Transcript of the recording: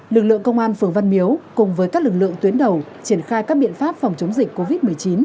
lực lượng công an phường văn miếu cùng với các lực lượng tuyến đầu triển khai các biện pháp phòng chống dịch covid một mươi chín